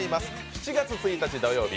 ７月１日土曜日